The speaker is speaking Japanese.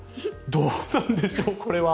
どうなんでしょうこれは。